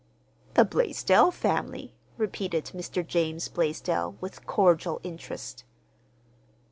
"The Blaisdell family!" repeated Mr. James Blaisdell, with cordial interest.